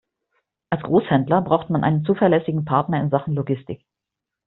Als Großhändler braucht man einen zuverlässigen Partner in Sachen Logistik.